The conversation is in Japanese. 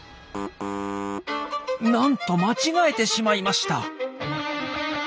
なんと間違えてしまいました。